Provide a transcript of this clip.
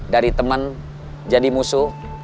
dari temen jadi musuh